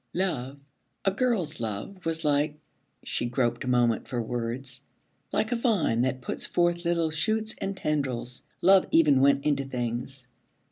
Love, a girl's love, was like she groped a moment for words like a vine that puts forth little shoots and tendrils; love even went into things.